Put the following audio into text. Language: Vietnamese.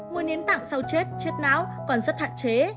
mùi nến tạng sau chết chết não còn rất hạn chế